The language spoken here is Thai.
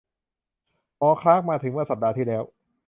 หมอคลาร์กมาถึงเมื่อสัปดาห์ที่แล้ว